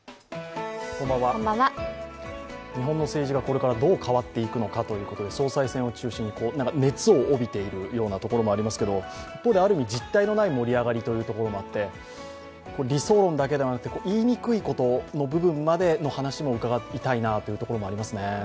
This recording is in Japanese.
日本の政治がこれからどう変わっていくのかということで総裁選を中心に、熱を帯びているようなところもありますけど一方である意味実体のない盛り上がりというところもあって理想論だけではなくて、言いにくいことの部分までの話を伺いたいなというところもありますね。